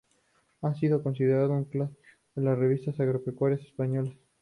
Ha sido considerada un clásico de las revistas agropecuarias españolas.